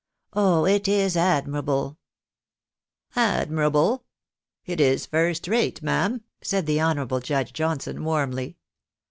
" Oh, it is ad mirable !" "Admirable? It is first rate, ma'am," said the honourable Judge Johnson, warmly.